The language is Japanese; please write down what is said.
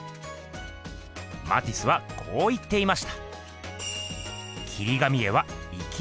マティスはこう言っていました。